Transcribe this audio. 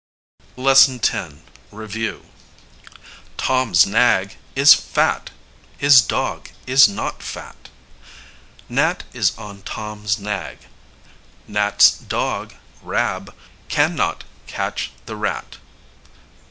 LESSON X. REVIEW. Tom's nag is fat; his dog is not fat. Nat is on Tom's nag. Nat's dog, Rab, can not catch the rat.